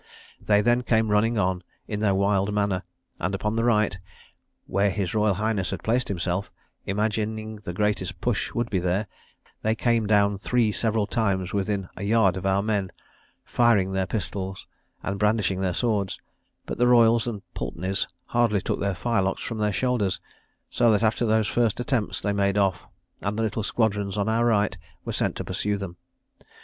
They then came running on, in their wild manner, and upon the right, where his Royal Highness had placed himself, imagining the greatest push would be there, they came down three several times within a yard of our men, firing their pistols, and brandishing their swords; but the Royals and Pulteney's hardly took their firelocks from their shoulders, so that after those first attempts they made off, and the little squadrons on our right were sent to pursue them.